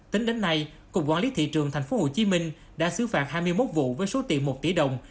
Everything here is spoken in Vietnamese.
tính đến nay cục quản lý thị trường tp hcm đã xứ phạt hai mươi một vụ với số tiền một tỷ đồng